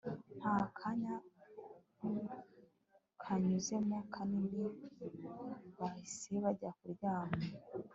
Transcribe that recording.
Ntakanya kanyuzemo kanini bahise bajya kuryama